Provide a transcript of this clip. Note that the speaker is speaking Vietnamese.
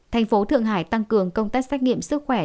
thành phố thượng hải tăng cường công tác xét nghiệm sức khỏe